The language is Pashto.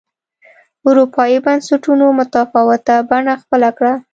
اروپايي بنسټونو متفاوته بڼه خپله کړه.